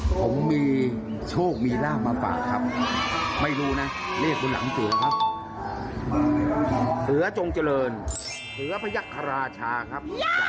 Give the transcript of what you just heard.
ผมมีโชคมีร่ามาฝากครับ